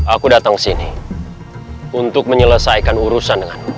aku datang sini untuk menyelesaikan urusan denganmu